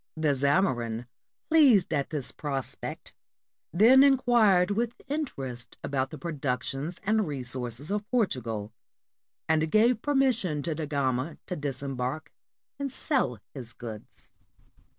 The Zamorin, pleased at this prospect, then inquired with interest about the productions and re sources of Portugal, and gave permission to Da Gama to disembark and sell his goods.